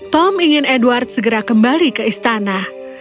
tom ingin edward segera kembali ke istana